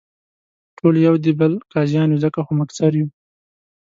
ټول یو دې بل قاضیان یو، ځکه خو مقصر یو.